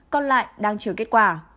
còn lại đang chờ kết quả